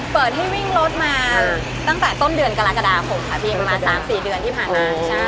เปิดให้วิ่งรถมาตั้งแต่ต้นเดือนกรกฎาคมค่ะพี่ประมาณ๓๔เดือนที่ผ่านมา